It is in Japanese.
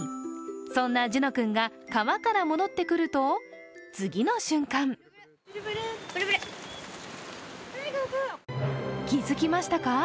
そんなジュノ君が川から戻ってくると、次の瞬間気付きましたか？